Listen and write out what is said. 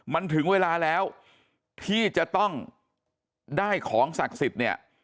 มันถึงเวลาแล้วที่จะต้องได้ของศักดิ์สิทธิ์เนี่ย